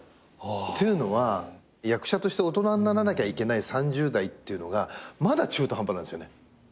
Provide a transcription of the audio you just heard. っていうのは役者として大人にならなきゃいけない３０代っていうのがまだ中途半端なんですよね。